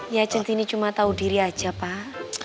ya centini cuma tahu diri aja pak